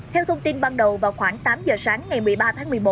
theo thông tin ban đầu vào khoảng tám giờ sáng ngày một mươi ba tháng một mươi một